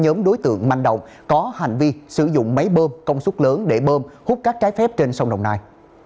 nhóm đối tượng manh động có hành vi sử dụng máy bơm công suất lớn để bơm hút các trái phép trên sông đồng nai